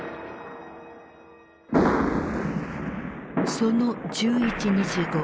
その１１日後。